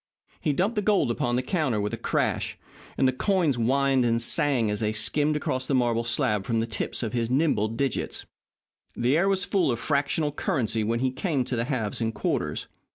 He dumped the gold upon the counter with a crash, and the coins whined and sang as they skimmed across the marble slab from the tips of his nimble digits. The air was full of fractional currency when he came to the halves and quarters.